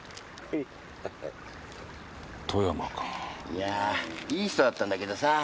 いやいい人だったんだけどさ